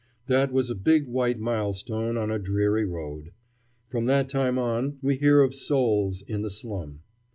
That was a big white milestone on a dreary road. From that time on we hear of "souls" in the slum.